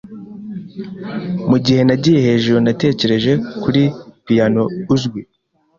Mugihe nagiye hejuru natekereje kuri piyano uzwi.